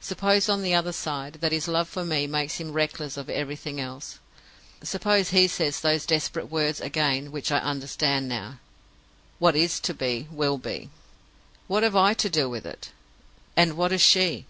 "Suppose, on the other side, that his love for me makes him reckless of everything else? Suppose he says those desperate words again, which I understand now: What is to be, will be. What have I to do with it, and what has she?